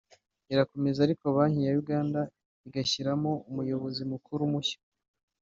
irakomeza ariko Banki ya Uganda igashyiraho Umuyobozi Mukuru mushya